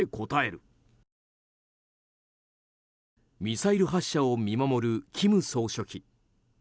ミサイル発射を見守る金総書記。